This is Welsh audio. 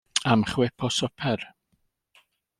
Am chwip o swpar.